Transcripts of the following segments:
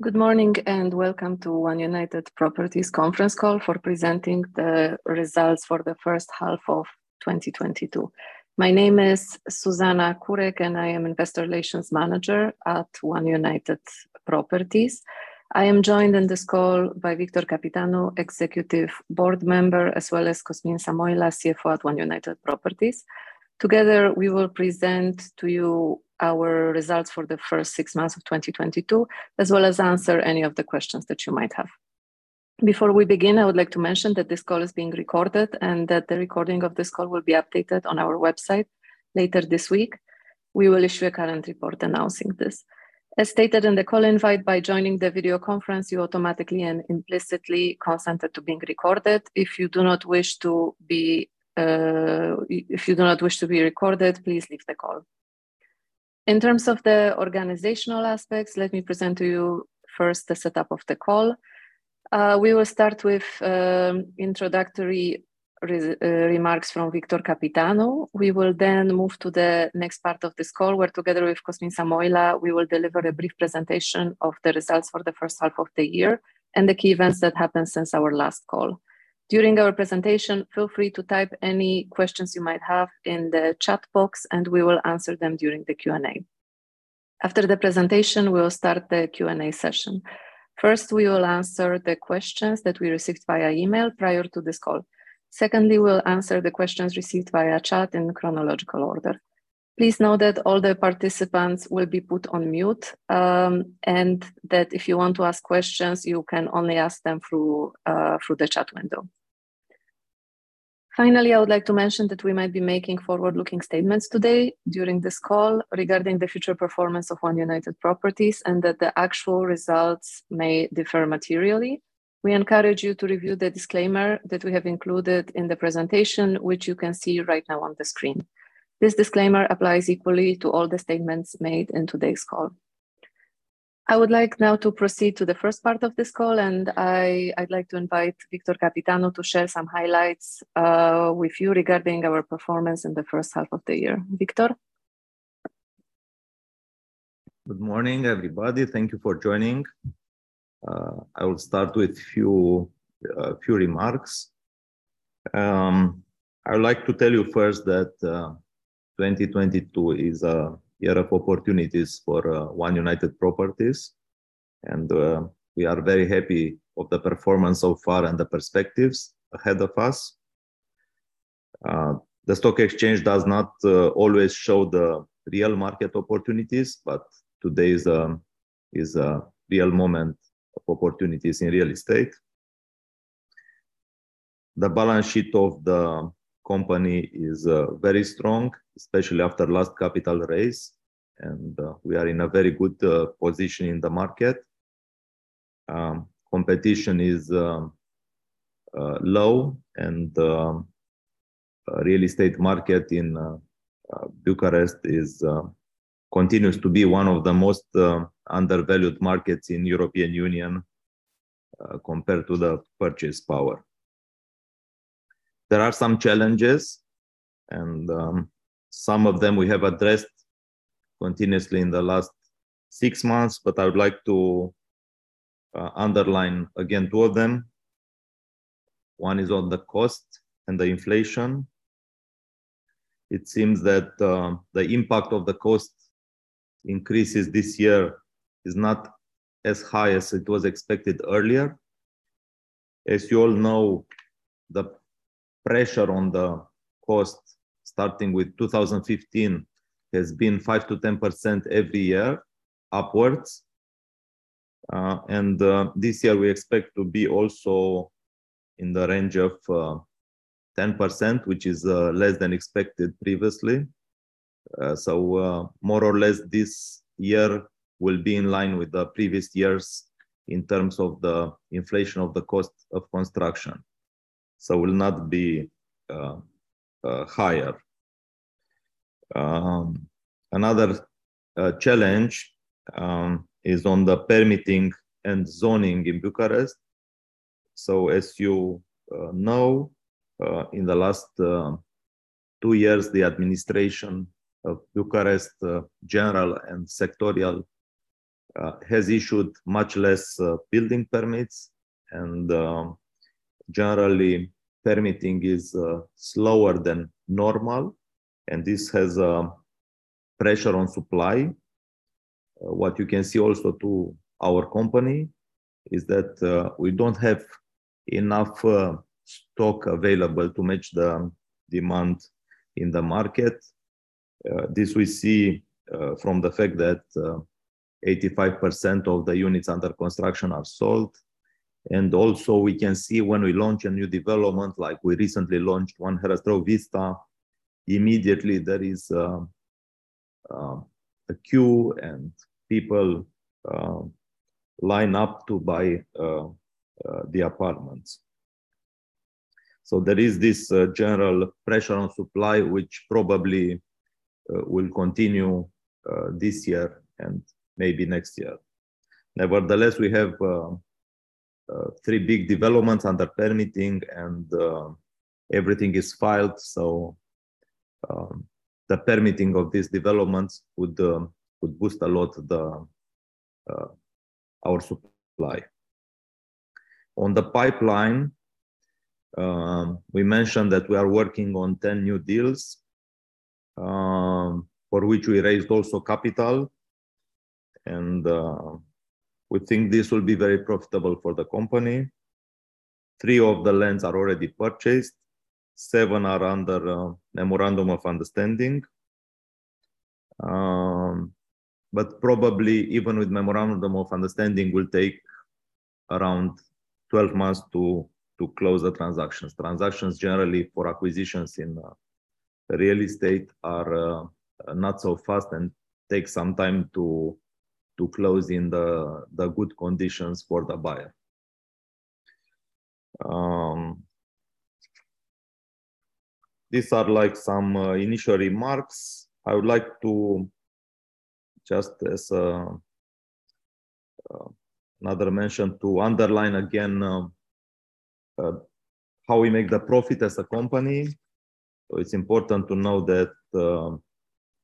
Good morning, and Welcome to One United Properties Conference Call for Presenting the Results for the First Half of 2022. My name is Zuzanna Kurek, and I am Investor Relations Manager at One United Properties. I am joined on this call by Victor Căpitanu, Executive Board Member, as well as Cosmin Samoilă, CFO at One United Properties. Together, we will present to you our results for the 1st six months of 2022, as well as answer any of the questions that you might have. Before we begin, I would like to mention that this call is being recorded and that the recording of this call will be updated on our website later this week. We will issue a current report announcing this. As stated in the call invite, by joining the video conference, you automatically and implicitly consent it to being recorded. If you do not wish to be recorded, please leave the call. In terms of the organizational aspects, let me present to you 1st the setup of the call. We will start with introductory remarks from Victor Căpitanu. We will then move to the next part of this call, where together with Cosmin Samoilă, we will deliver a brief presentation of the results for the 1st half of the year and the key events that happened since our last call. During our presentation, feel free to type any questions you might have in the chat box, and we will answer them during the Q&A. After the presentation, we will start the Q&A session. First, we will answer the questions that we received via email prior to this call. Secondly, we'll answer the questions received via chat in chronological order. Please note that all the participants will be put on mute, and that if you want to ask questions, you can only ask them through the chat window. Finally, I would like to mention that we might be making forward-looking statements today during this call regarding the future performance of One United Properties and that the actual results may differ materially. We encourage you to review the disclaimer that we have included in the presentation, which you can see right now on the screen. This disclaimer applies equally to all the statements made in today's call. I would like now to proceed to the 1st part of this call, and I'd like to invite Victor Căpitanu to share some highlights with you regarding our performance in the 1st half of the year. Victor. Good morning, everybody. Thank you for joining. I will start with few remarks. I would like to tell you 1st that 2022 is a year of opportunities for One United Properties, and we are very happy of the performance so far and the perspectives ahead of us. The stock exchange does not always show the real market opportunities, but today is a real moment of opportunities in real estate. The balance sheet of the company is very strong, especially after last capital raise, and we are in a very good position in the market. Competition is low, and real estate market in Bucharest continues to be one of the most undervalued markets in European Union, compared to the purchasing power. There are some challenges, and some of them we have addressed continuously in the last six months, but I would like to underline again two of them. One is on the cost and the inflation. It seems that the impact of the cost increases this year is not as high as it was expected earlier. As you all know, the pressure on the cost starting with 2015 has been 5%-10% every year upwards. This year we expect to be also in the range of 10%, which is less than expected previously. More or less this year will be in line with the previous years in terms of the inflation of the cost of construction, so will not be higher. Another challenge is on the permitting and zoning in Bucharest. As you know, in the last two years, the administration of Bucharest, general and sectorial, has issued much less building permits and generally permitting is slower than normal, and this has pressure on supply. What you can see also to our company is that we don't have enough stock available to match the demand in the market. This we see from the fact that 85% of the units under construction are sold. Also we can see when we launch a new development, like we recently launched One Herăstrău Vista, immediately there is a queue and people line up to buy the apartments. There is this general pressure on supply, which probably will continue this year and maybe next year. Nevertheless, we have three big developments under permitting and everything is filed. The permitting of these developments would boost a lot our supply. In the pipeline, we mentioned that we are working on 10 new deals, for which we raised also capital and we think this will be very profitable for the company. Three of the lands are already purchased. Seven are under memorandum of understanding. But probably even with memorandum of understanding will take around 12 months to close the transactions. Transactions generally for acquisitions in real estate are not so fast and take some time to close in the good conditions for the buyer. These are like some initial remarks. I would like to just as a another mention to underline again how we make the profit as a company. It's important to know that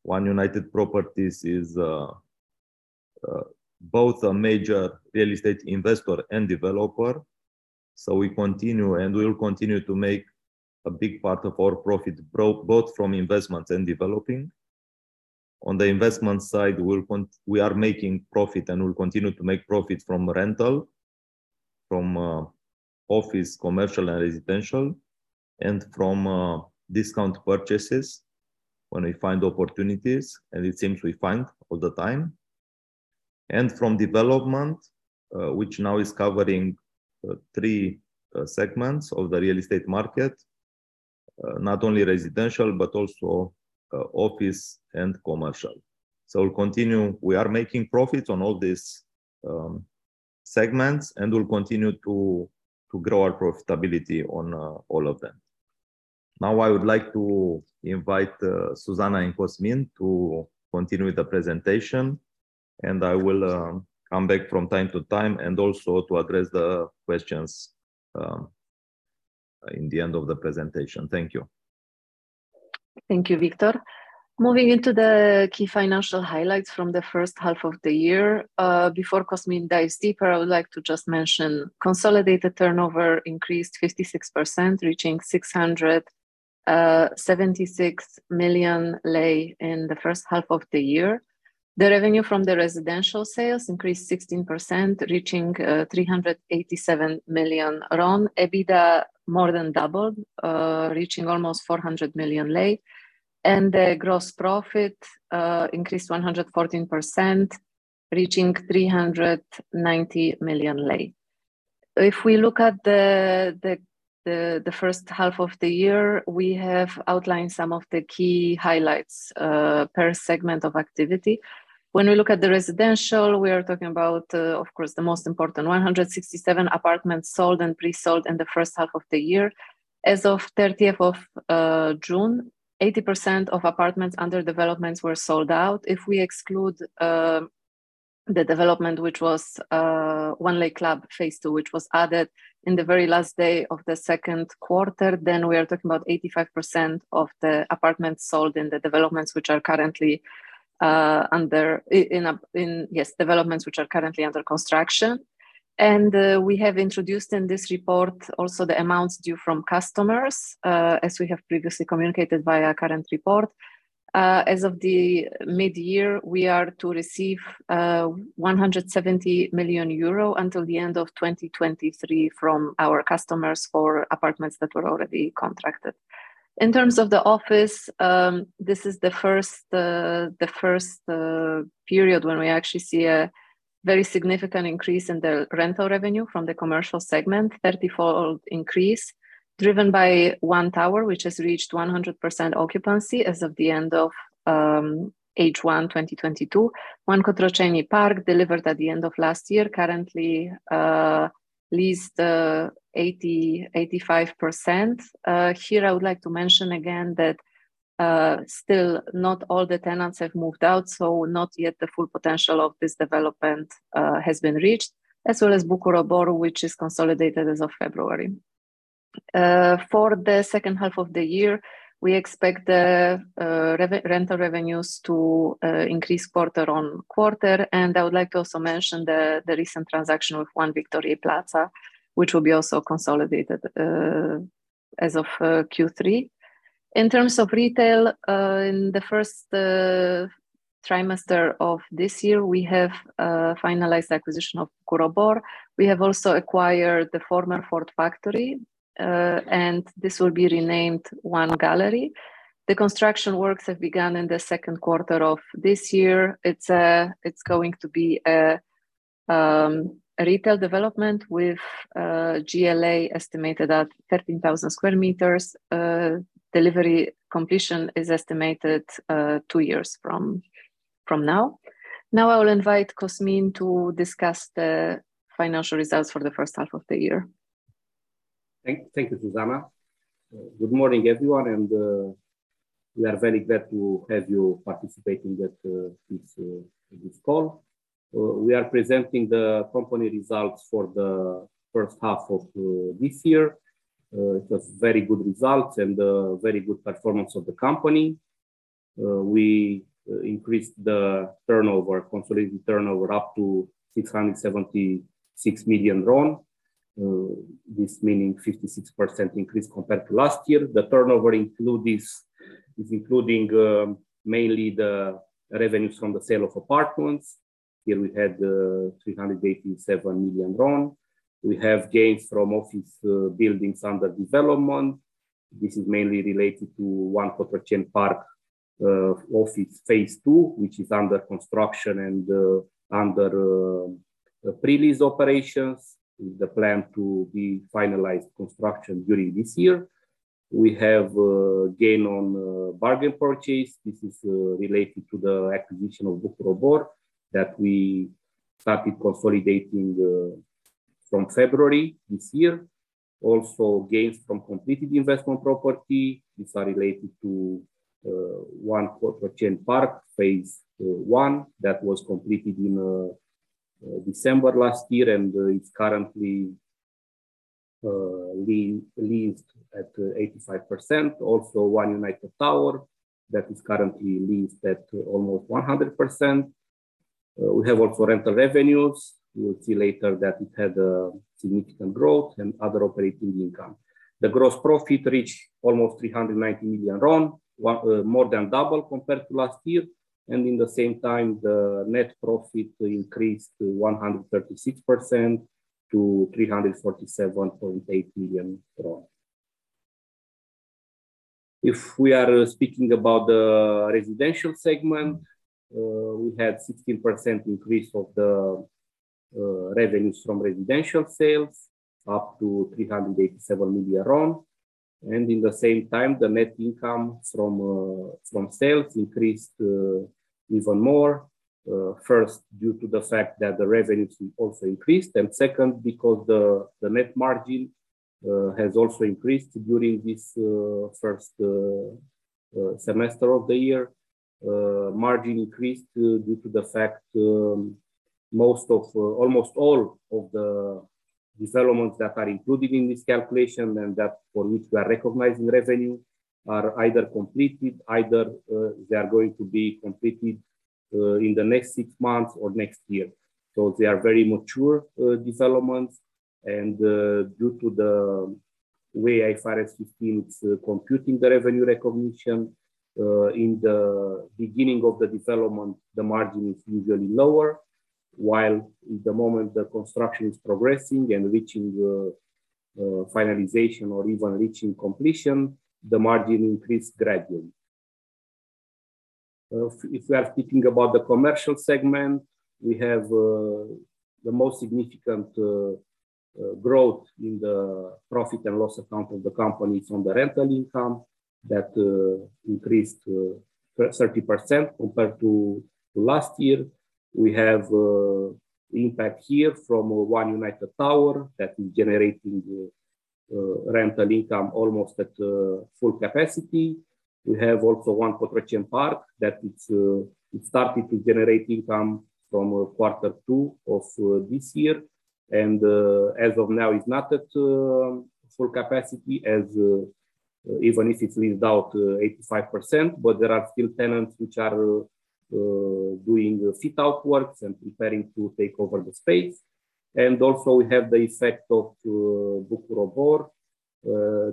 One United Properties is both a major real estate investor and developer. We continue and will continue to make a big part of our profit both from investments and developing. On the investment side, we are making profit and will continue to make profit from rental, from office, commercial and residential, and from discount purchases when we find opportunities, and it seems we find all the time. From development, which now is covering three segments of the real estate market, not only residential, but also office and commercial. We'll continue. We are making profits on all these segments, and we'll continue to grow our profitability on all of them. Now I would like to invite Zuzanna and Cosmin to continue with the presentation, and I will come back from time to time and also to address the questions in the end of the presentation. Thank you. Thank you, Victor. Moving into the key financial highlights from the 1st half of the year. Before Cosmin dives deeper, I would like to just mention consolidated turnover increased 56%, reaching RON 676 million in the 1st half of the year. The revenue from the residential sales increased 16%, reaching RON 387 million. EBITDA more than doubled, reaching almost RON 400 million. The gross profit increased 114%, reaching RON 390 million. If we look at the 1st half of the year, we have outlined some of the key highlights per segment of activity. When we look at the residential, we are talking about, of course, the most important 167 apartments sold and pre-sold in the 1st half of the year. As of the thirtieth of June, 80% of apartments under developments were sold out. If we exclude the development which was One Lake Club Phase II, which was added in the very last day of the 2nd quarter, then we are talking about 85% of the apartments sold in the developments which are currently under construction. We have introduced in this report also the amounts due from customers, as we have previously communicated via current report. As of the mid-year, we are to receive 170 million euro until the end of 2023 from our customers for apartments that were already contracted. In terms of the office, this is the 1st period when we actually see a very significant increase in the rental revenue from the commercial segment. 34% increase driven by One Tower, which has reached 100% occupancy as of the end of H1 2022. One Cotroceni Park delivered at the end of last year, currently leased 85%. Here I would like to mention again that still not all the tenants have moved out, so not yet the full potential of this development has been reached. As well as Bucur Obor, which is consolidated as of February. For the 2nd half of the year, we expect the rental revenues to increase quarter-on-quarter. I would like to also mention the recent transaction with One Victoriei Plaza, which will be also consolidated as of Q3. In terms of retail, in the 1st quarter of this year, we have finalized the acquisition of Bucur Obor. We have also acquired the former Ford factory, and this will be renamed One Gallery. The construction works have begun in the 2nd quarter of this year. It's going to be a retail development with GLA estimated at 13,000 sqm. Delivery completion is estimated two years from now. Now I will invite Cosmin to discuss the financial results for the 1st half of the year. Thank you, Zuzanna. Good morning, everyone, and we are very glad to have you participating at this call. We are presenting the company results for the 1st half of this year. It was very good results and very good performance of the company. We increased the turnover, consolidated turnover, up to RON 676 million. This meaning 56% increase compared to last year. The turnover is including mainly the revenues from the sale of apartments. Here we had RON 387 million. We have gains from office buildings under development. This is mainly related to One Cotroceni Park office phase two, which is under construction and under pre-lease operations. With the plan to be finalized construction during this year. We have gain on bargain purchase. This is related to the acquisition of Bucur Obor that we started consolidating from February this year. Gains from completed investment property. These are related to One Cotroceni Park, phase I, that was completed in December last year, and it's currently leased at 85%. One Tower that is currently leased at almost 100%. We have also rental revenues. You will see later that it had a significant growth and other operating income. The gross profit reached almost RON 390 million, more than double compared to last year, and in the same time, the net profit increased to 136% to RON 347.8 million. If we are speaking about the residential segment, we had 16% increase of the revenues from residential sales up to RON 387 million. At the same time, the net income from sales increased even more. First, due to the fact that the revenues also increased, and 2nd, because the net margin has also increased during this 1st semester of the year. Margin increased due to the fact almost all of the developments that are included in this calculation and that for which we are recognizing revenue are either completed or they are going to be completed in the next six months or next year. They are very mature developments. Due to the way IFRS 15 is computing the revenue recognition, in the beginning of the development, the margin is usually lower, while at the moment the construction is progressing and reaching the finalization or even reaching completion, the margin increased gradually. If we are speaking about the commercial segment, we have the most significant growth in the profit and loss account of the company from the rental income that increased 30% compared to last year. We have impact here from One Tower that is generating rental income almost at full capacity. We have also One Cotroceni Park that it started to generate income from quarter two of this year. As of now, it's not at full capacity as even if it's leased out 85%, but there are still tenants which are doing fit-out works and preparing to take over the space. We also have the effect of Bucur Obor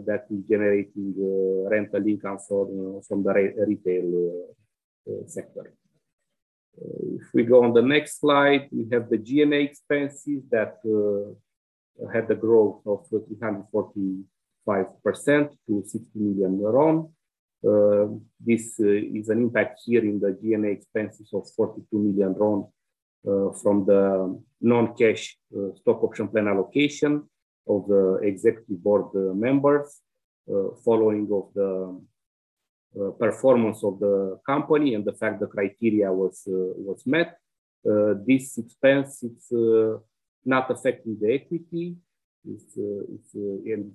that is generating rental income from the retail sector. If we go on the next slide, we have the G&A expenses that had a growth of 345% to RON 60 million. This is an impact here in the G&A expenses of RON 42 million from the non-cash stock option plan allocation of the Executive Board members following the performance of the company and the fact the criteria was met. This expense is not affecting the equity. It's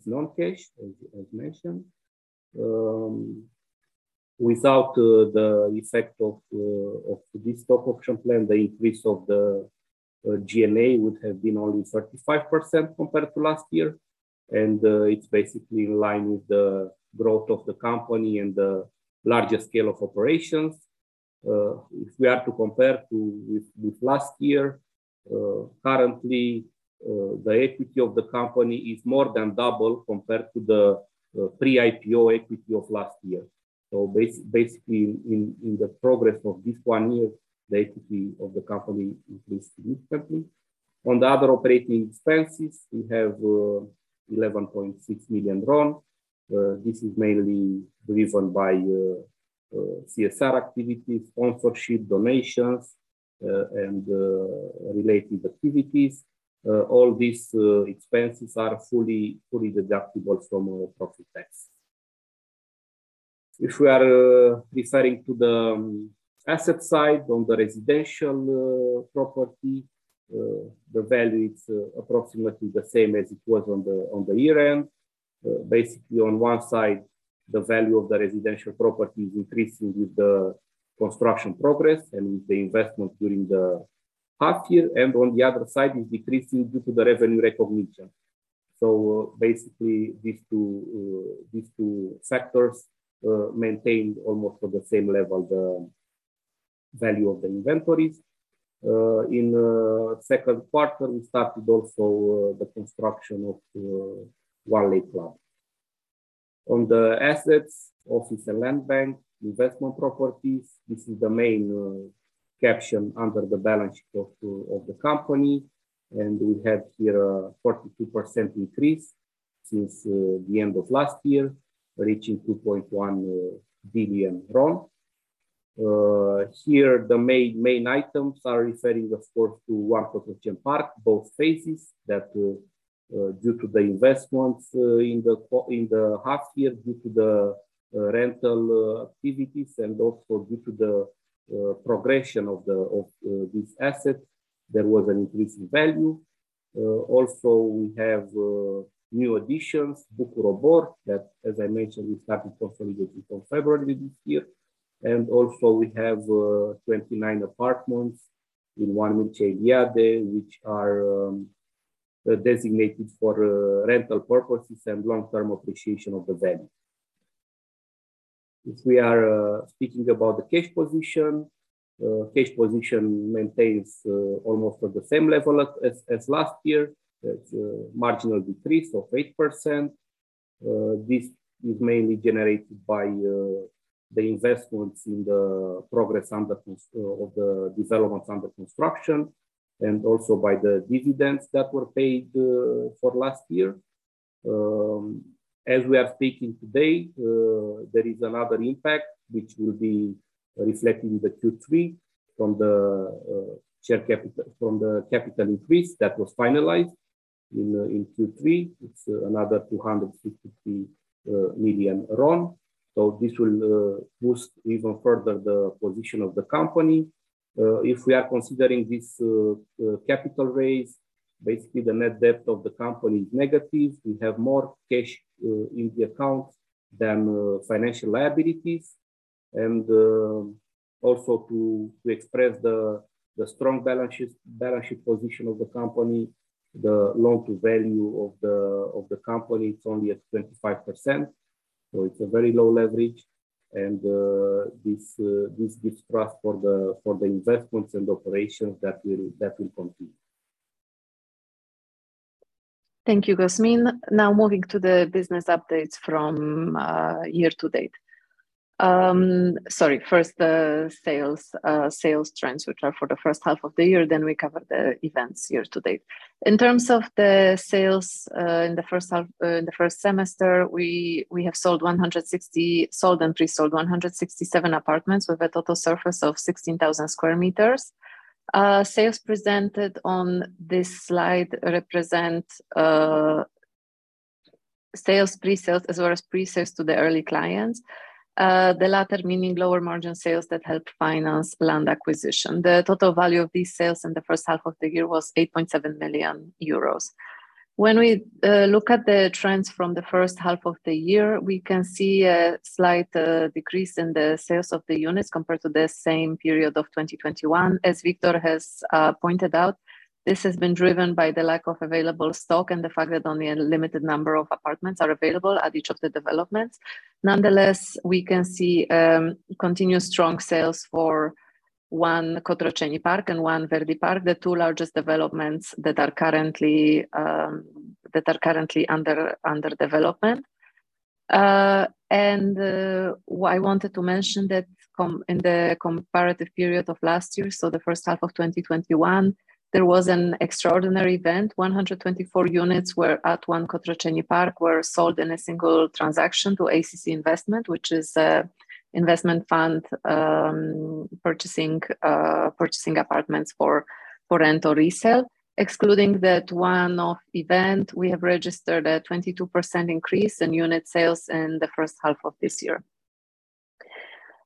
non-cash, as mentioned. Without the effect of this stock option plan, the increase of the G&A would have been only 35% compared to last year. It's basically in line with the growth of the company and the larger scale of operations. If we are to compare with last year, currently, the equity of the company is more than double compared to the pre-IPO equity of last year. Basically, in the progress of this one year, the equity of the company increased significantly. On the other operating expenses, we have RON 11.6 million. This is mainly driven by CSR activities, sponsorship, donations, and related activities. All these expenses are fully deductible from profit tax. If we are referring to the asset side on the residential property, the value is approximately the same as it was on the year-end. Basically, on one side, the value of the residential property is increasing with the construction progress and with the investment during the half year. On the other side, it's decreasing due to the revenue recognition. Basically, these two factors maintained almost at the same level, the value of the inventories. In 2nd quarter, we started also the construction of One Lake Club. On the assets, office and land bank, investment properties. This is the main caption under the balance sheet of the company, and we have here a 42% increase since the end of last year, reaching RON 2.1 billion. Here the main items are referring of course to One Cotroceni Park, both phases that, due to the investments, in the half year due to the, rental, activities, and also due to the, progression of the, of, these assets, there was an increase in value. Also we have new additions, Bucur Obor, that, as I mentioned, we started consolidation from February this year. We have 29 apartments in One Mircea Eliade, which are designated for rental purposes and long-term appreciation of the value. If we are speaking about the cash position, cash position maintains almost at the same level as last year. It's a marginal decrease of 8%. This is mainly generated by the investments in the progress under construction of the developments under construction, and also by the dividends that were paid for last year. As we are speaking today, there is another impact which will be reflecting the Q3 from the share capital, from the capital increase that was finalized in Q3. It's another RON 250 million. This will boost even further the position of the company. If we are considering this capital raise, basically the net debt of the company is negative. We have more cash in the account than financial liabilities. Also to express the strong balance sheet position of the company, the loan to value of the company, it's only at 25%, so it's a very low leverage. This gives trust for the investments and operations that will continue. Thank you, Cosmin. Now moving to the business updates from year to date. Sorry, 1st the sales trends, which are for the 1st half of the year, then we cover the events year to date. In terms of the sales, in the 1st half, in the 1st semester, we have sold and pre-sold 167 apartments with a total surface of 16,000 sqm. Sales presented on this slide represent sales, pre-sales as well as pre-sales to the early clients. The latter meaning lower margin sales that help finance land acquisition. The total value of these sales in the 1st half of the year was 8.7 million euros. When we look at the trends from the 1st half of the year, we can see a slight decrease in the sales of the units compared to the same period of 2021. As Victor has pointed out, this has been driven by the lack of available stock and the fact that only a limited number of apartments are available at each of the developments. Nonetheless, we can see continuous strong sales for One Cotroceni Park and One Verdi Park, the two largest developments that are currently under development. What I wanted to mention in the comparative period of last year, so the 1st half of 2021, there was an extraordinary event. 124 units were sold at One Cotroceni Park in a single transaction to ACC Investment, which is an investment fund purchasing apartments for rent or resale. Excluding that one-off event, we have registered a 22% increase in unit sales in the 1st half of this year.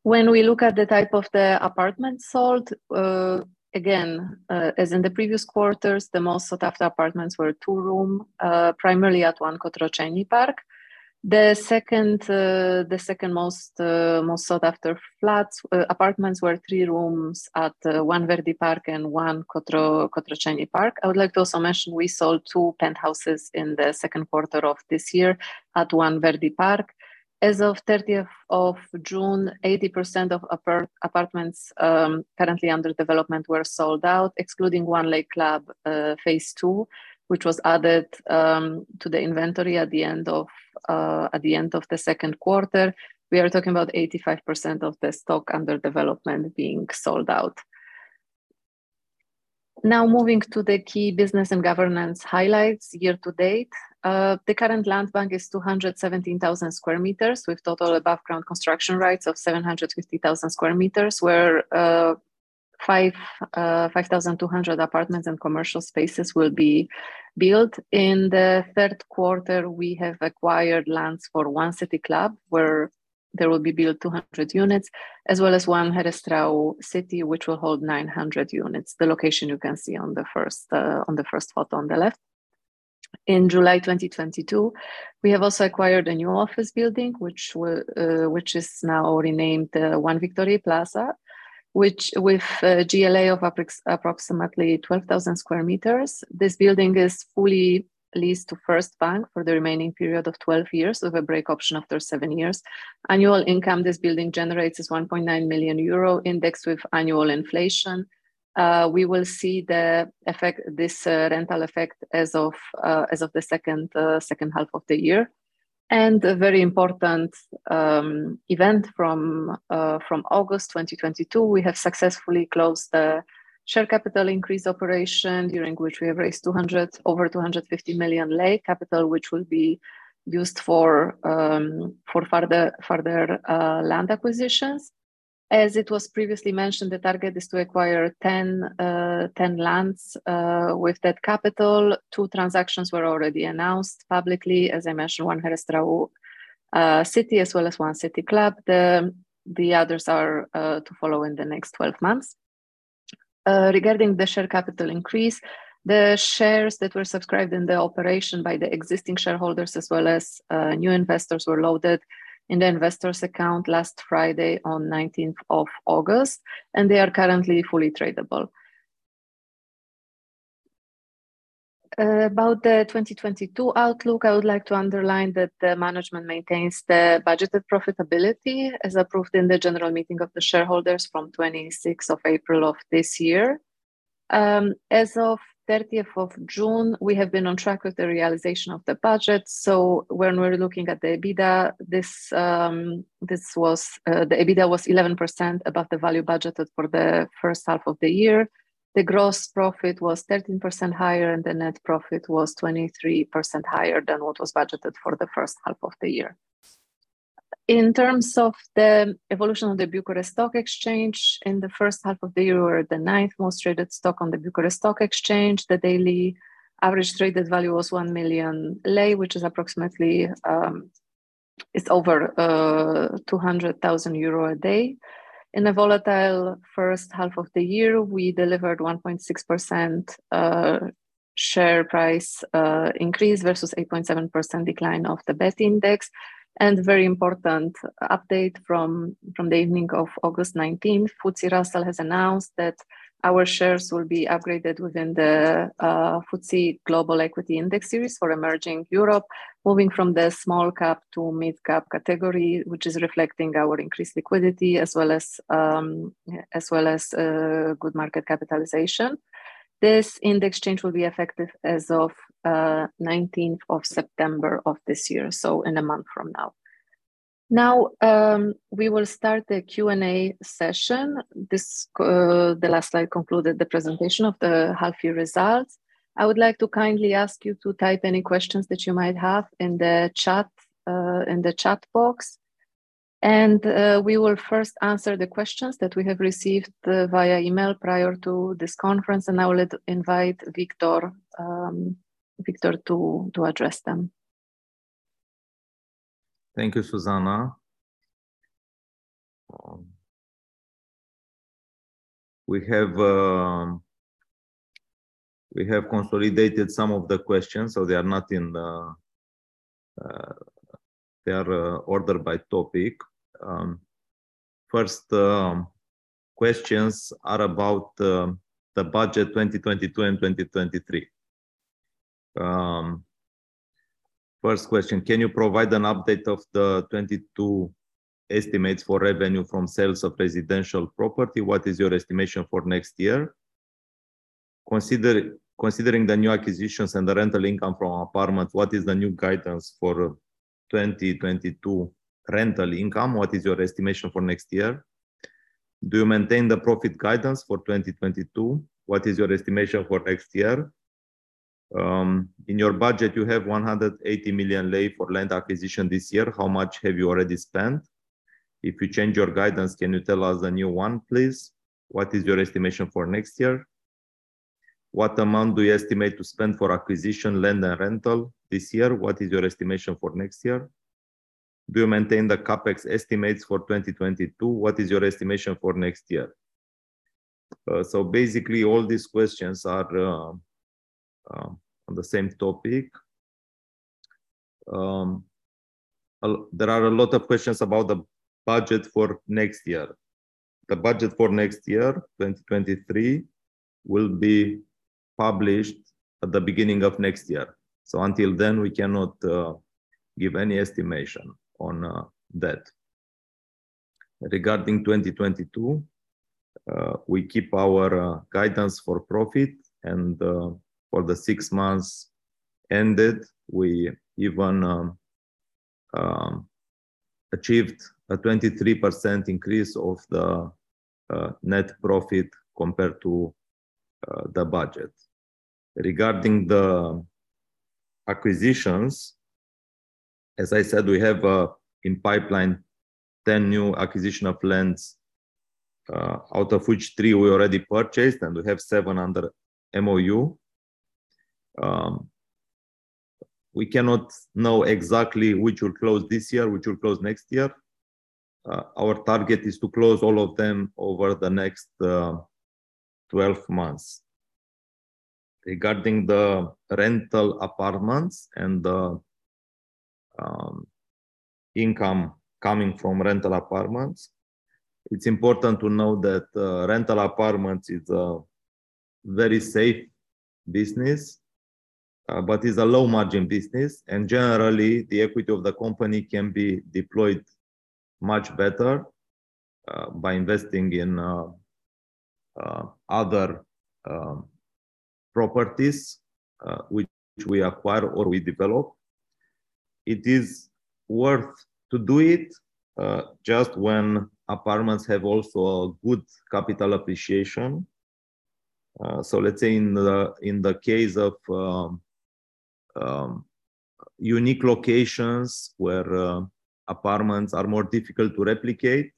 When we look at the type of the apartments sold, again, as in the previous quarters, the most sought after apartments were two-room primarily at One Cotroceni Park. The 2nd most sought after apartments were three-room at One Verdi Park and One Cotroceni Park. I would like to also mention we sold two penthouses in the 2nd quarter of this year at One Verdi Park. As of 30th of June, 80% of apartments currently under development were sold out, excluding One Lake Club phase two, which was added to the inventory at the end of the 2nd quarter. We are talking about 85% of the stock under development being sold out. Now moving to the key business and governance highlights year to date. The current land bank is 217,000 sqm with total above ground construction rights of 750,000 sqm, where 5,200 apartments and commercial spaces will be built. In the 3rd quarter, we have acquired lands for One City Club, where there will be built 200 units, as well as One Herăstrău City, which will hold 900 units. The location you can see on the 1st photo on the left. In July 2022, we have also acquired a new office building, which is now renamed One Victoriei Plaza, which with GLA of approximately 12,000 sqm, this building is fully leased to First Bank for the remaining period of 12 years with a break option after seven years. Annual income this building generates is 1.9 million euro indexed with annual inflation. We will see the effect, this rental effect as of the 2nd half of the year. A very important event from August 2022. We have successfully closed the share capital increase operation during which we have raised RON 200... Over RON 250 million capital, which will be used for further land acquisitions. As it was previously mentioned, the target is to acquire 10 lands with that capital. Two transactions were already announced publicly, as I mentioned, One Herăstrău City as well as One City Club. The others are to follow in the next 12 months. Regarding the share capital increase, the shares that were subscribed in the operation by the existing shareholders as well as new investors were loaded in the investors' account last Friday on 19th of August, and they are currently fully tradable. About the 2022 outlook, I would like to underline that the management maintains the budgeted profitability as approved in the general meeting of the shareholders from 26th of April of this year. As of 30th of June, we have been on track with the realization of the budget. When we're looking at the EBITDA, the EBITDA was 11% above the value budgeted for the 1st half of the year. The gross profit was 13% higher, and the net profit was 23% higher than what was budgeted for the 1st half of the year. In terms of the evolution of the Bucharest Stock Exchange, in the 1st half of the year, we were the 9th most traded stock on the Bucharest Stock Exchange. The daily average traded value was RON 1 million, which is approximately over 200,000 euro a day. In a volatile 1st half of the year, we delivered 1.6% share price increase versus 8.7% decline of the BET index. Very important update from the evening of August 19th, FTSE Russell has announced that our shares will be upgraded within the FTSE Global Equity Index Series for Emerging Europe, moving from the small-cap to mid-cap category, which is reflecting our increased liquidity as well as good market capitalization. This index change will be effective as of nineteenth of September of this year, so in a month from now. Now, we will start the Q&A session. This, the last slide concluded the presentation of the half-year results. I would like to kindly ask you to type any questions that you might have in the chat, in the chat box. We will 1st answer the questions that we have received via email prior to this conference, and I will invite Victor to address them. Thank you, Zuzanna. We have consolidated some of the questions, they are ordered by topic. First, questions are about the budget 2022 and 2023. First question, can you provide an update of the 2022 estimates for revenue from sales of residential property? What is your estimation for next year? Considering the new acquisitions and the rental income from apartments, what is the new guidance for 2022 rental income? What is your estimation for next year? Do you maintain the profit guidance for 2022? What is your estimation for next year? In your budget, you have RON 180 million for land acquisition this year. How much have you already spent? If you change your guidance, can you tell us the new one, please? What is your estimation for next year? What amount do you estimate to spend for acquisition land and rental this year? What is your estimation for next year? Do you maintain the CapEx estimates for 2022? What is your estimation for next year? Basically, all these questions are on the same topic. There are a lot of questions about the budget for next year. The budget for next year, 2023, will be published at the beginning of next year. Until then, we cannot give any estimation on that. Regarding 2022, we keep our guidance for profit and, for the six months ended, we even achieved a 23% increase of the net profit compared to the budget. Regarding the acquisitions, as I said, we have in pipeline 10 new acquisition of lands, out of which three we already purchased, and we have seven under MOU, we cannot know exactly which will close this year, which will close next year. Our target is to close all of them over the next 12 months. Regarding the rental apartments and the income coming from rental apartments, it's important to know that rental apartments is a very safe business, but is a low margin business. Generally, the equity of the company can be deployed much better by investing in other properties which we acquire or we develop. It is worth to do it just when apartments have also a good capital appreciation. Let's say in the case of unique locations where apartments are more difficult to replicate,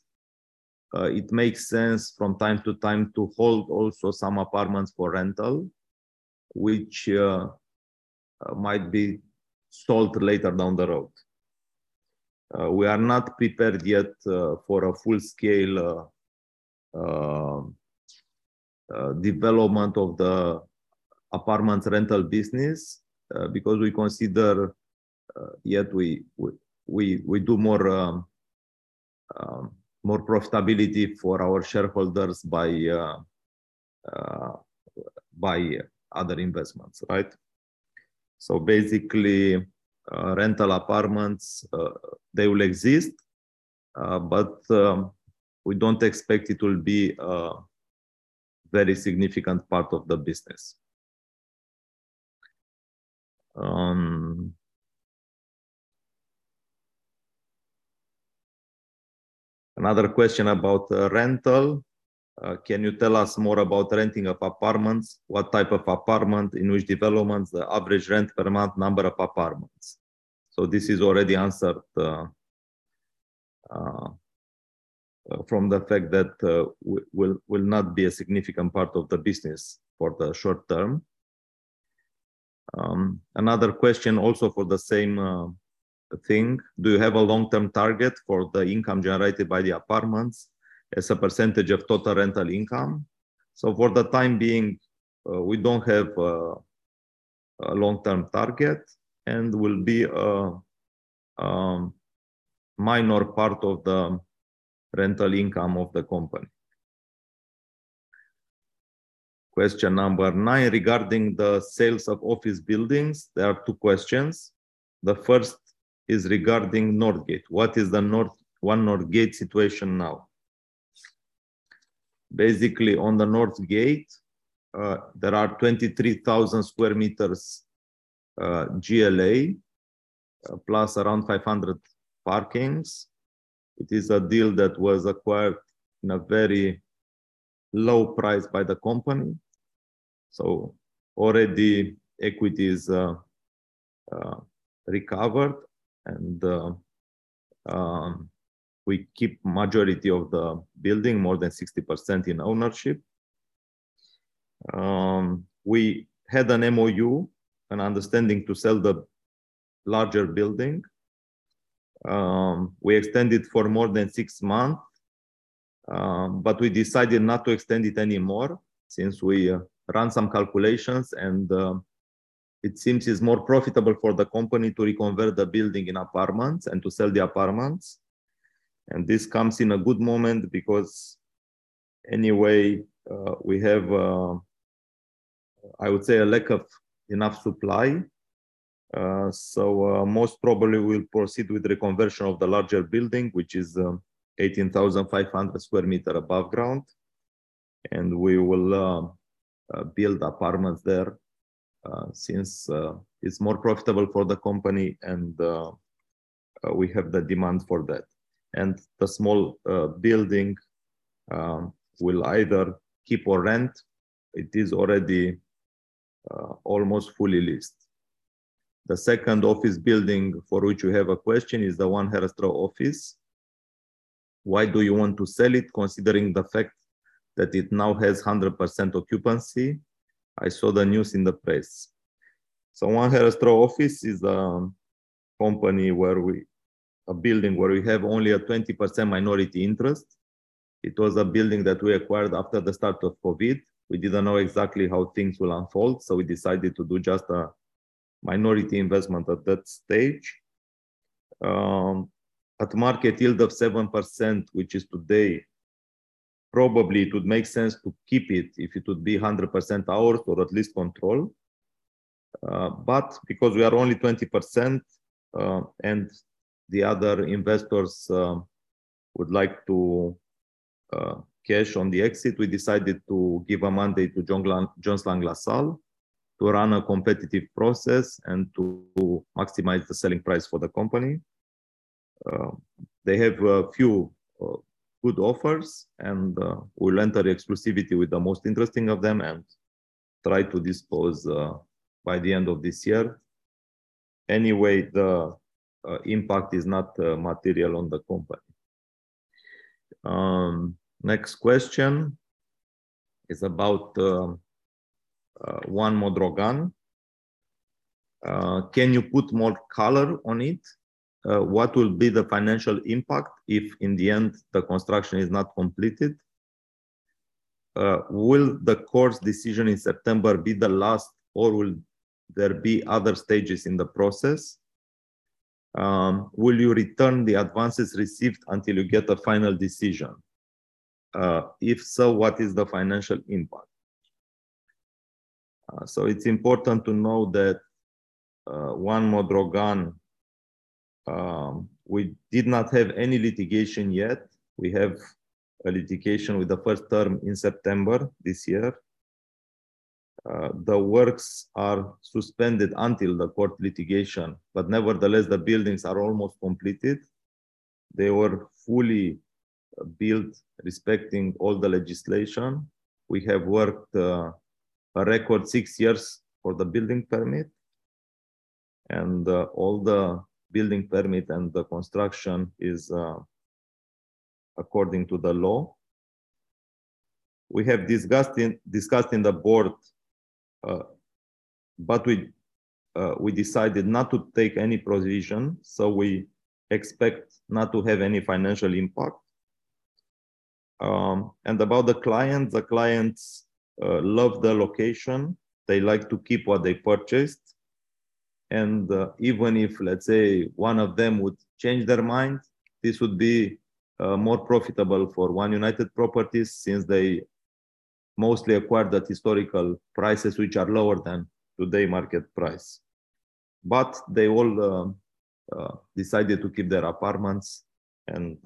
it makes sense from time to time to hold also some apartments for rental, which might be sold later down the road. We are not prepared yet for a full scale development of the apartment rental business, because we consider yet we do more profitability for our shareholders by other investments, right? Basically, rental apartments they will exist, but we don't expect it will be a very significant part of the business. Another question about rental. Can you tell us more about renting of apartments? What type of apartment? In which developments? The average rent per month? Number of apartments? This is already answered from the fact that will not be a significant part of the business for the short term. Another question also for the same thing. Do you have a long-term target for the income generated by the apartments as a percentage of total rental income? For the time being, we don't have a long-term target, and will be a minor part of the rental income of the company. Question number nine regarding the sales of office buildings, there are two questions. The 1st is regarding Northgate. What is the One North Gate situation now? Basically, on the One North Gate, there are 23,000 sqm GLA, plus around 500 parkings. It is a deal that was acquired in a very low price by the company, so already equity is recovered. We keep majority of the building, more than 60% in ownership. We had an MOU, an understanding to sell the larger building. We extended for more than six months, but we decided not to extend it anymore since we ran some calculations and it seems it's more profitable for the company to reconvert the building in apartments and to sell the apartments. This comes in a good moment because anyway, we have, I would say a lack of enough supply. Most probably we'll proceed with the conversion of the larger building, which is 18,500 sqm above ground. We will build apartments there, since it's more profitable for the company, and we have the demand for that. The small building we'll either keep or rent. It is already almost fully leased. The 2nd office building for which you have a question is the One Herăstrău Office. Why do you want to sell it, considering the fact that it now has 100% occupancy? I saw the news in the press. One Herăstrău Office is a building where we have only a 20% minority interest. It was a building that we acquired after the start of COVID. We didn't know exactly how things will unfold, so we decided to do just a minority investment at that stage. At market yield of 7%, which is today, probably it would make sense to keep it if it would be 100% ours or at least control. Because we are only 20%, and the other investors would like to cash on the exit, we decided to give a mandate to Jones Lang LaSalle to run a competitive process and to maximize the selling price for the company. They have a few good offers, and we'll enter exclusivity with the most interesting of them and try to dispose by the end of this year. Anyway, the impact is not material on the company. Next question is about One Modrogan. Can you put more color on it? What will be the financial impact if in the end the construction is not completed? Will the court's decision in September be the last, or will there be other stages in the process? Will you return the advances received until you get a final decision? If so, what is the financial impact? It's important to know that One Modrogan, we did not have any litigation yet. We have a litigation with the 1st term in September this year. The works are suspended until the court litigation, but nevertheless, the buildings are almost completed. They were fully built respecting all the legislation. We have worked a record six years for the building permit and the construction is according to the law. We have discussed in the board, but we decided not to take any provision, so we expect not to have any financial impact. About the clients, they love the location. They like to keep what they purchased. Even if, let's say, one of them would change their mind, this would be more profitable for One United Properties since they mostly acquired at historical prices which are lower than today market price. They all decided to keep their apartments and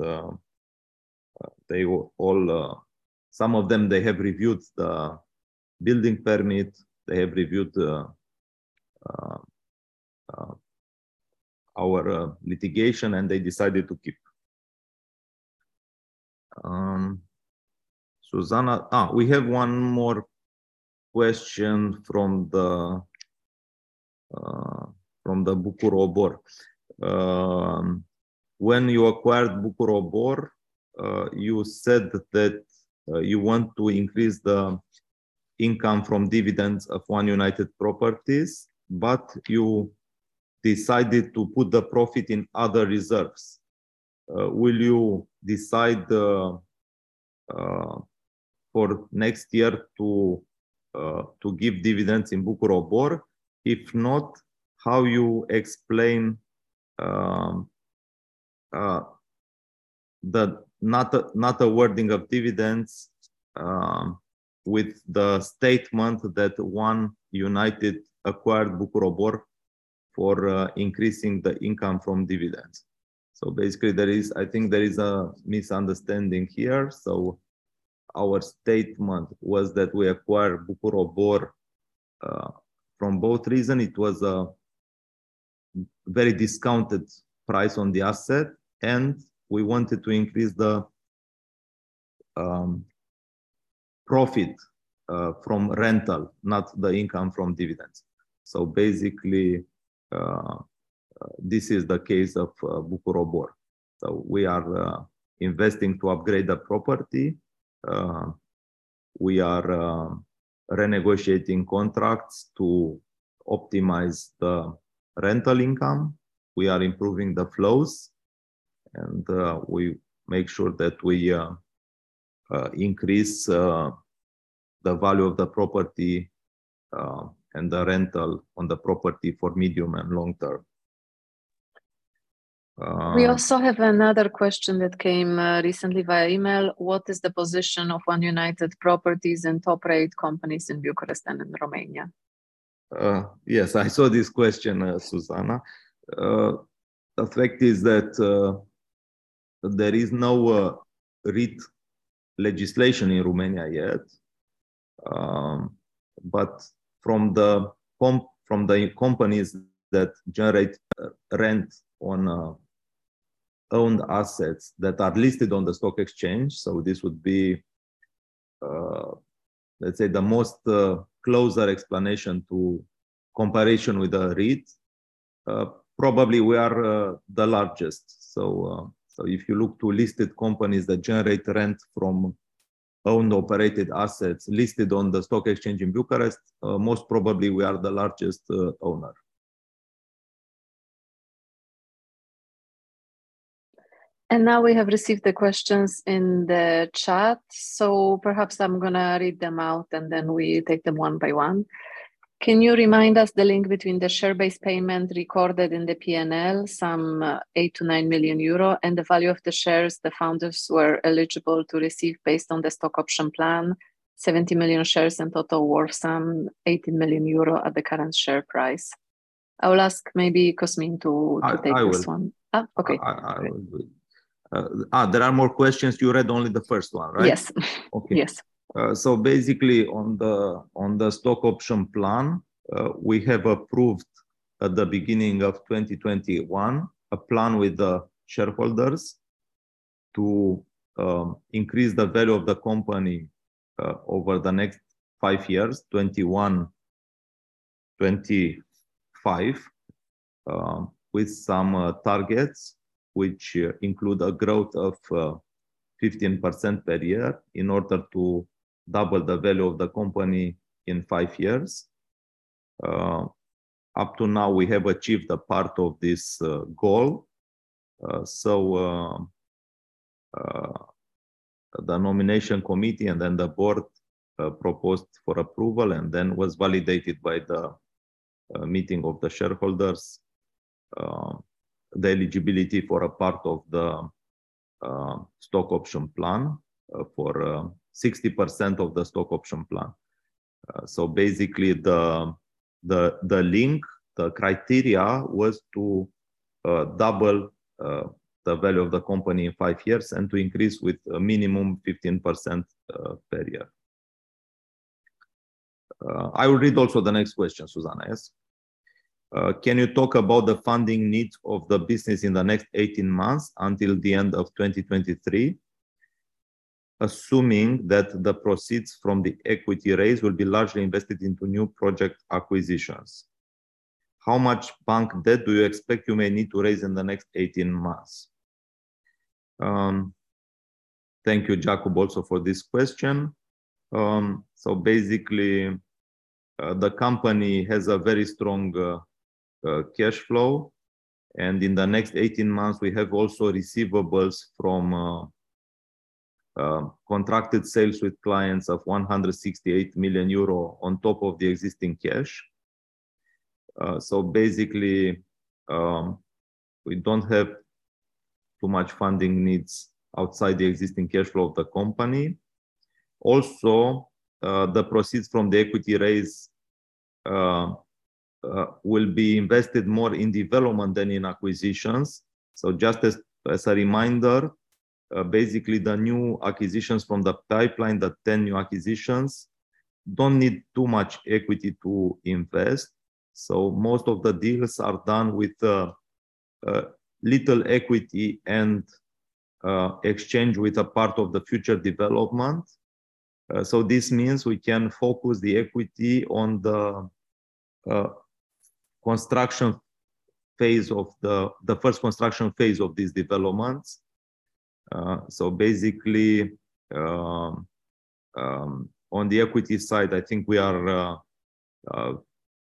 some of them, they have reviewed the building permit and our litigation, and they decided to keep. Zuzanna, we have one more question from the Bucur Obor. When you acquired Bucur Obor, you said that you want to increase the income from dividends of One United Properties, but you decided to put the profit in other reserves. Will you decide for next year to give dividends in Bucur Obor? If not, how you explain the not awarding of dividends with the statement that One United Properties acquired Bucur Obor for increasing the income from dividends? Basically, I think there is a misunderstanding here. Our statement was that we acquired Bucur Obor for both reasons. It was a very discounted price on the asset, and we wanted to increase the profit from rental, not the income from dividends. Basically, this is the case of Bucur Obor. We are investing to upgrade the property. We are renegotiating contracts to optimize the rental income. We are improving the flows and we make sure that we increase the value of the property and the rental on the property for medium and long term. We also have another question that came recently via email. What is the position of One United Properties in top REIT companies in Bucharest and in Romania? Yes, I saw this question, Zuzanna. The fact is that there is no REIT legislation in Romania yet. From the companies that generate rent on owned assets that are listed on the stock exchange, this would be, let's say the most closer explanation to comparison with the REIT. Probably we are the largest. If you look to listed companies that generate rent from owned operated assets listed on the stock exchange in Bucharest, most probably we are the largest owner. Now we have received the questions in the chat, so perhaps I'm gonna read them out and then we take them one by one. Can you remind us the link between the share-based payment recorded in the P&L, some 8 million-9 million euro, and the value of the shares the founders were eligible to receive based on the stock option plan, 70 million shares in total worth some 80 million euro at the current share price? I will ask maybe Cosmin to take this one. I will. Okay. Great. I will do. There are more questions. You read only the 1st one, right? Yes. Okay. Yes. Basically on the stock option plan, we have approved at the beginning of 2021 a plan with the shareholders to increase the value of the company over the next five years, 2021-2025, with some targets which include a growth of 15% per year in order to double the value of the company in five years. Up to now, we have achieved a part of this goal. The nomination committee and then the board proposed for approval and then was validated by the meeting of the shareholders the eligibility for a part of the stock option plan for 60% of the stock option plan. Basically the criteria was to double the value of the company in five years and to increase with a minimum 15% per year. I will read also the next question, Zuzanna, yes. Can you talk about the funding needs of the business in the next 18 months until the end of 2023, assuming that the proceeds from the equity raise will be largely invested into new project acquisitions? How much bank debt do you expect you may need to raise in the next 18 months? Thank you, Jakub, also for this question. Basically, the company has a very strong cash flow. In the next 18 months we have also receivables from contracted sales with clients of 168 million euro on top of the existing cash. Basically, we don't have too much funding needs outside the existing cash flow of the company. Also, the proceeds from the equity raise will be invested more in development than in acquisitions. Just as a reminder, basically the new acquisitions from the pipeline, the 10 new acquisitions don't need too much equity to invest, so most of the deals are done with little equity and exchange with a part of the future development. This means we can focus the equity on the construction phase of the 1st construction phase of these developments. Basically, on the equity side, I think we are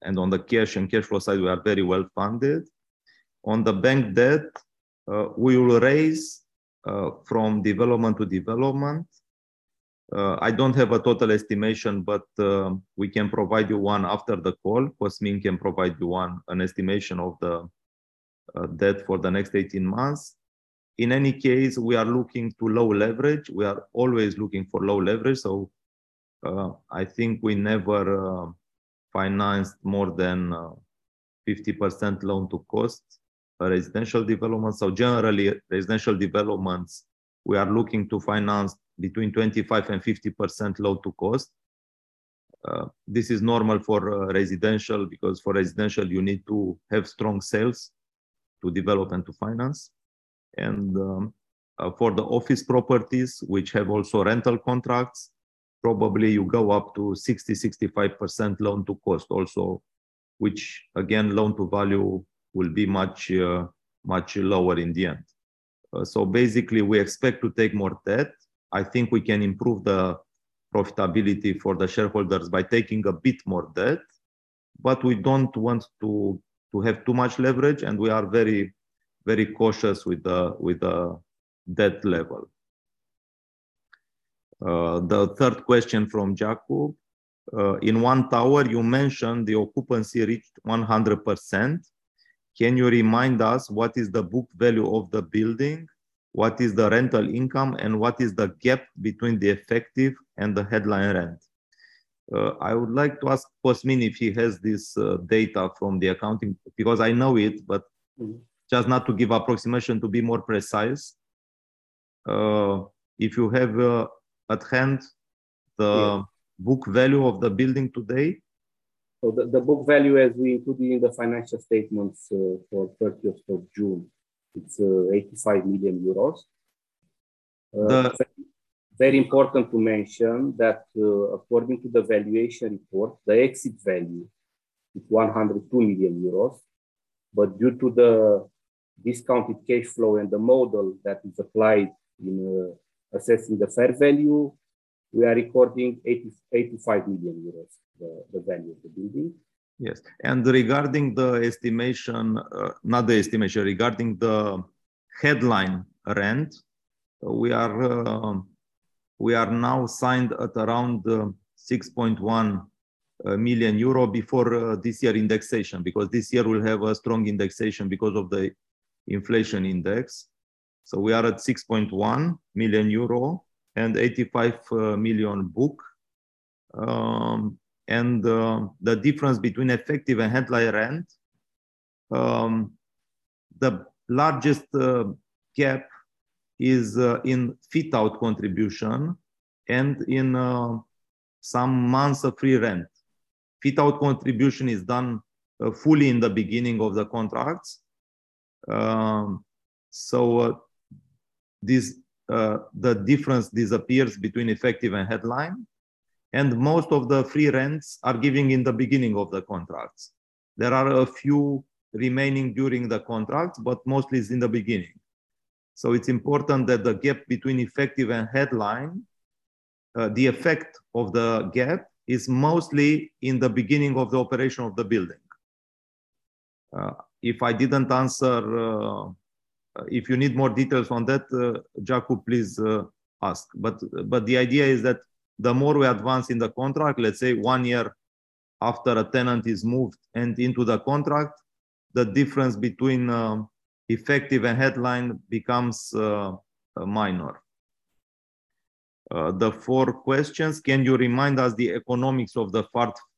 and on the cash and cash flow side, we are very well-funded. On the bank debt, we will raise from development to development. I don't have a total estimation, but we can provide you one after the call. Cosmin can provide you an estimation of the debt for the next 18 months. In any case, we are looking for low leverage. We are always looking for low leverage, so I think we never financed more than 50% loan to cost residential development. Generally, residential developments, we are looking to finance between 25% and 50% loan to cost. This is normal for residential because for residential you need to have strong sales to develop and to finance. For the office properties, which have also rental contracts, probably you go up to 60-65% loan to cost also, which again, loan to value will be much lower in the end. Basically we expect to take more debt. I think we can improve the profitability for the shareholders by taking a bit more debt. We don't want to have too much leverage, and we are very cautious with the debt level. The 3rd question from Jakub. In One Tower you mentioned the occupancy reached 100%. Can you remind us what is the book value of the building? What is the rental income, and what is the gap between the effective and the headline rent? I would like to ask Cosmin if he has this data from the accounting, because I know it, but Mm-hmm Just not to give approximation, to be more precise. If you have at hand the- Yes Book value of the building today. The book value as we included in the financial statements for 30th of June, it's 85 million euros. The- Very important to mention that, according to the valuation report, the exit value is 102 million euros. Due to the discounted cash flow and the model that is applied in assessing the fair value, we are recording 85 million euros, the value of the building. Yes. Regarding the headline rent, we are now signed at around 6.1 million euro before this year indexation, because this year we'll have a strong indexation because of the inflation index. We are at 6.1 million euro and 85 million booked. The difference between effective and headline rent, the largest gap is in fit-out contribution and in some months of free rent. Fit-out contribution is done fully in the beginning of the contracts. The difference disappears between effective and headline, and most of the free rents are given in the beginning of the contracts. There are a few remaining during the contracts, but mostly it's in the beginning. It's important that the gap between effective and headline, the effect of the gap is mostly in the beginning of the operation of the building. If I didn't answer. If you need more details on that, Jakub, please ask. The idea is that the more we advance in the contract, let's say one year after a tenant is moved and into the contract, the difference between effective and headline becomes minor. The 4th question, can you remind us the economics of the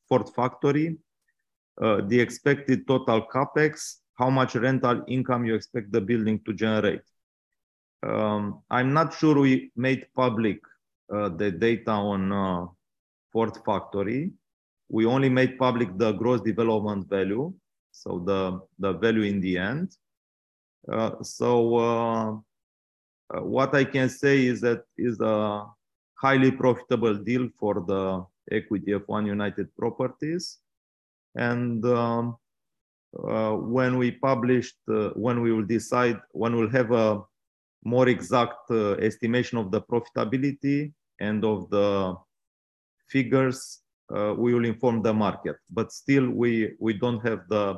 Ford Factory? The expected total CapEx, how much rental income you expect the building to generate? I'm not sure we made public the data on Ford Factory. We only made public the gross development value, so the value in the end. What I can say is that it's a highly profitable deal for the equity of One United Properties, and when we will decide, when we'll have a more exact estimation of the profitability and of the figures, we will inform the market. But still, we don't have the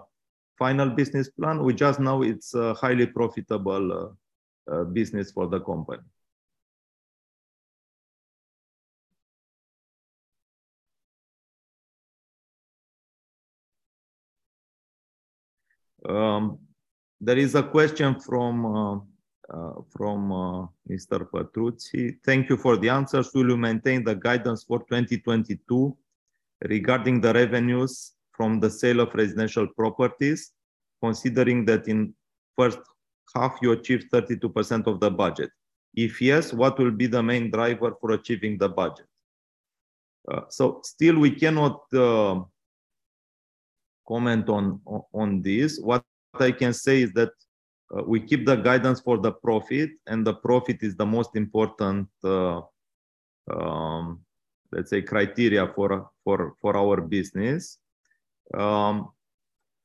final business plan. We just know it's a highly profitable business for the company. There is a question from Mr. Patrutsy. Thank you for the answers. Will you maintain the guidance for 2022 regarding the revenues from the sale of residential properties, considering that in 1st half you achieved 32% of the budget? If yes, what will be the main driver for achieving the budget? Still we cannot comment on this. What I can say is that we keep the guidance for the profit, and the profit is the most important, let's say, criteria for our business.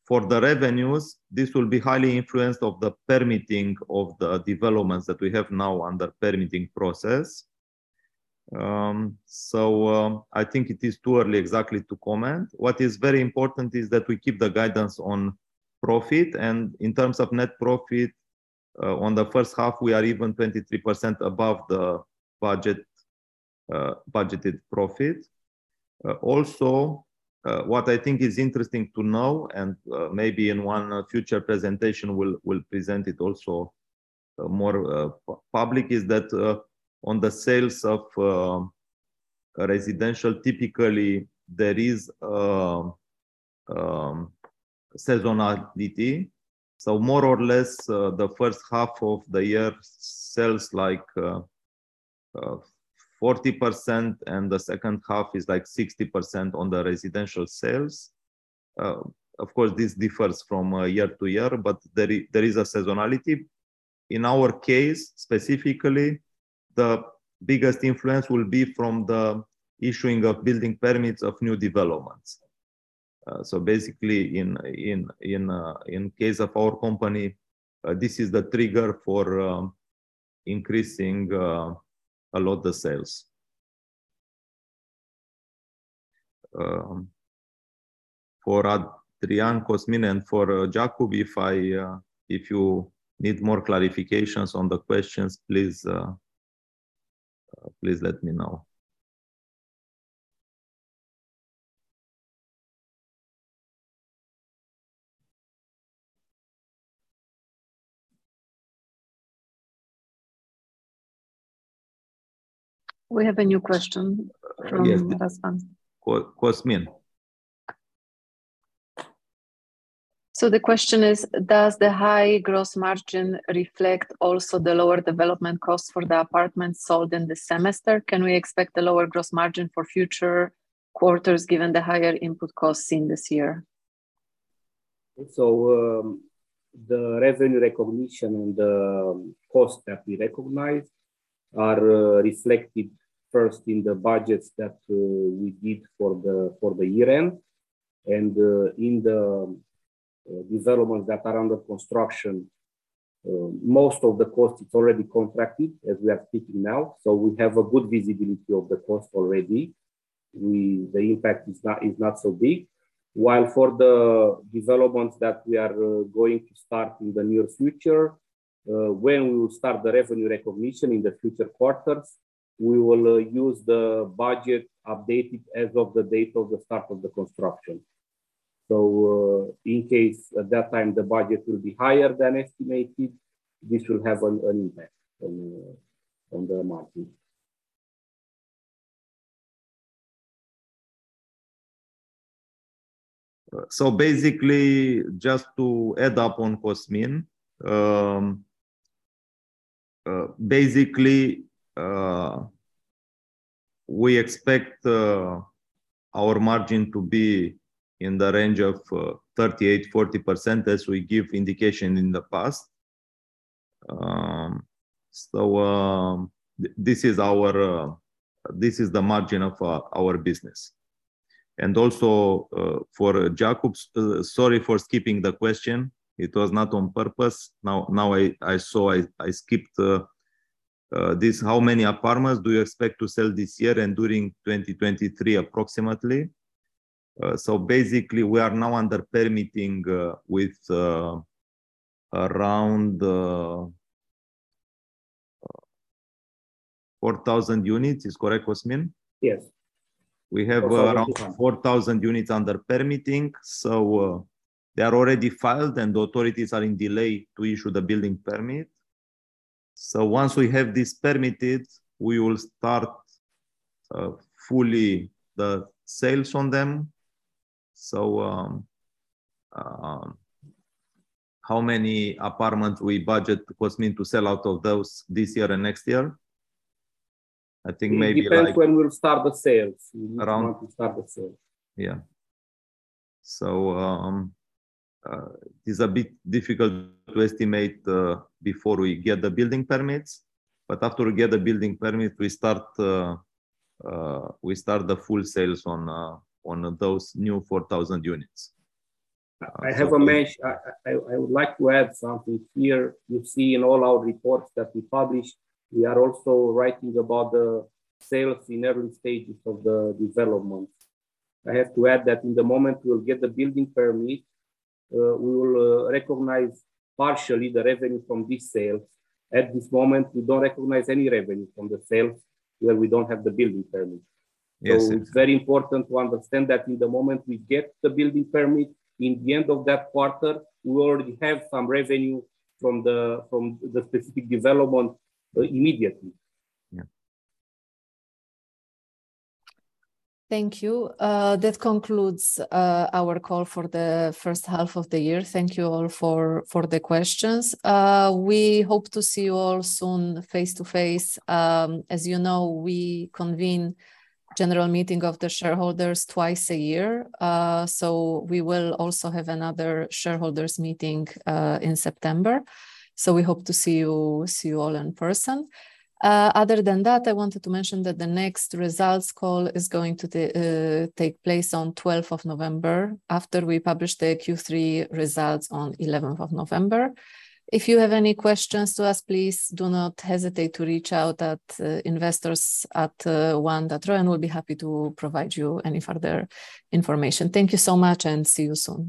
For the revenues, this will be highly influenced of the permitting of the developments that we have now under permitting process. I think it is too early exactly to comment. What is very important is that we keep the guidance on profit, and in terms of net profit, on the 1st half, we are even 23% above the budget, budgeted profit. Also, what I think is interesting to know, and maybe in one future presentation we'll present it also more public, is that on the sales of residential, typically there is seasonality. More or less, the 1st half of the year sells, like, 40%, and the 2nd half is, like, 60% on the residential sales. Of course, this differs from year to year, but there is a seasonality. In our case, specifically, the biggest influence will be from the issuing of building permits of new developments. Basically in case of our company, this is the trigger for increasing a lot the sales. For Adrian, Cosmin, and for Jakub, if you need more clarifications on the questions, please let me know. We have a new question from. Yes Cosmin. The question is, does the high gross margin reflect also the lower development costs for the apartments sold in the semester? Can we expect a lower gross margin for future quarters given the higher input costs seen this year? The revenue recognition and the costs that we recognize are reflected 1st in the budgets that we did for the year end. In the developments that are under construction, most of the cost is already contracted as we are speaking now. We have a good visibility of the cost already. The impact is not so big. While for the developments that we are going to start in the near future, when we will start the revenue recognition in the future quarters, we will use the budget updated as of the date of the start of the construction. In case at that time the budget will be higher than estimated, this will have an impact on the margin. Basically, just to add up on Cosmin. We expect our margin to be in the range of 38%-40% as we give indication in the past. This is the margin of our business. Also, for Jakub's. Sorry for skipping the question. It was not on purpose. I saw I skipped this, "How many apartments do you expect to sell this year and during 2023 approximately?" Basically we are now under permitting with around 4,000 units. Is correct, Cosmin? Yes. We have around- 4,000. 4,000 units under permitting, so they are already filed and the authorities are delayed to issue the building permit. Once we have this permitted, we will start the full sales on them. How many apartments we budget, Cosmin, to sell out of those this year and next year? I think maybe like It depends when we'll start the sales. Around- We need to know when to start the sales. Yeah. It's a bit difficult to estimate before we get the building permits. After we get the building permit, we start the full sales on those new 4,000 units. I would like to add something here. You see in all our reports that we publish, we are also writing about the sales in every stages of the development. I have to add that in the moment we will get the building permit, we will recognize partially the revenue from this sale. At this moment, we don't recognize any revenue from the sales where we don't have the building permit. Yes. It's very important to understand that in the moment we get the building permit, in the end of that quarter, we already have some revenue from the specific development, immediately. Yeah. Thank you. That concludes our call for the 1st half of the year. Thank you all for the questions. We hope to see you all soon face-to-face. As you know, we convene general meeting of the shareholders twice a year. We will also have another shareholders meeting in September, so we hope to see you all in person. Other than that, I wanted to mention that the next results call is going to take place on 12th of November, after we publish the Q3 results on 11th of November. If you have any questions to ask, please do not hesitate to reach out at investors@one.ro, and we'll be happy to provide you any further information. Thank you so much, and see you soon.